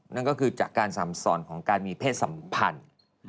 นั่นก็คือจากการสั่งสอนของการมีเพศสัมพันธ์